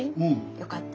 よかった。